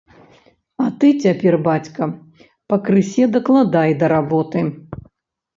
А ты цяпер, бацька, пакрысе дакладай да работы.